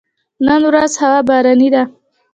نن ورځ هوا باراني ده